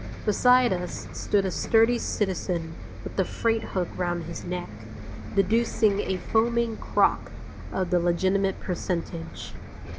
Beside us stood a sturdy citizen with a freight hook round his neck, deducing a foaming crock of the legitimate percentage.